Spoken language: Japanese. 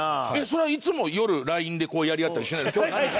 それはいつも夜ＬＩＮＥでこうやり合ったりしないの？